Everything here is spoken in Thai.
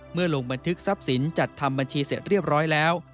ลงบันทึกทรัพย์สินจัดทำบัญชีเสร็จเรียบร้อยแล้ว